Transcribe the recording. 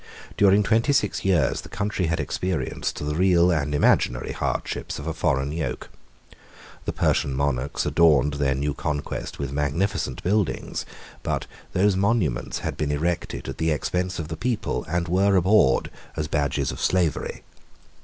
During twenty six years, the country had experienced the real and imaginary hardships of a foreign yoke. The Persian monarchs adorned their new conquest with magnificent buildings; but those monuments had been erected at the expense of the people, and were abhorred as badges of slavery.